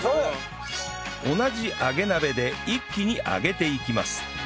同じ揚げ鍋で一気に揚げていきます